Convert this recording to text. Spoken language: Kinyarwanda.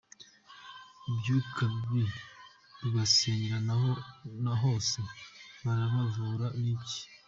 Imyuka mibi babasengere nahose barabavura iki?.